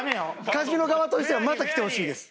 カジノ側としてはまた来てほしいです。